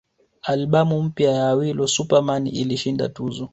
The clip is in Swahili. Albamu mpya ya Awilo Super Man ilishinda tuzo